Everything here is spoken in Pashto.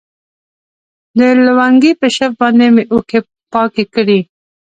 د لونګۍ په شف باندې مې اوښكې پاكې كړي.